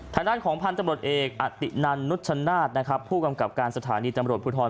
ทางด้านของพันธ์จำรวจเอกอาตินันนุชนาธผู้กำกับการสถานีจำรวจผู้ทร